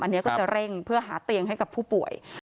อันนี้ก็จะเร่งเพื่อหาเตียงให้กับผู้ป่วย